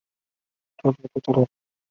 库页堇菜为堇菜科堇菜属的植物。